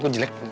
aku gak mau